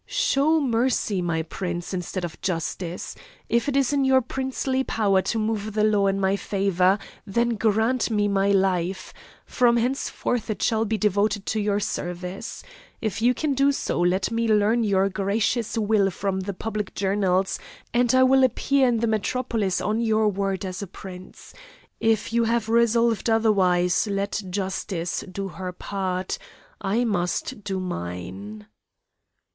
"Show mercy, my prince, instead of justice. If it is in your princely power to move the law in my favour, then grant me my life. From henceforth it shall be devoted to your service. If you can do so, let me learn your gracious will from the public journals, and I will appear in the metropolis on your word as a prince. If you have resolved otherwise, let justice do her part, I must do mine."